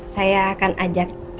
saya akan ajak